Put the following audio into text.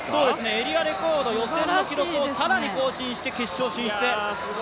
エリアレコード、予選の記録を更に更新して決勝進出。